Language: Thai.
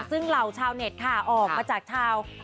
ซึ่งเหล่าชาวเน็ตค่ะออกมาจากชาว